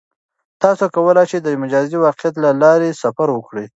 تاسو کولای شئ چې د مجازی واقعیت له لارې سفر وکړئ.